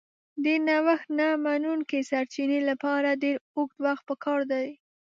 د نوښت نه منونکي سرچینې لپاره ډېر اوږد وخت پکار دی.